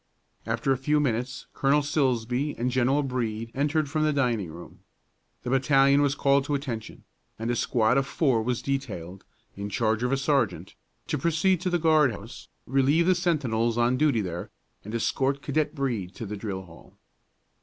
After a few minutes Colonel Silsbee and General Brede entered from the dining room. The battalion was called to attention, and a squad of four was detailed, in charge of a sergeant, to proceed to the guard house, relieve the sentinels on duty there, and escort Cadet Brede to the drill hall.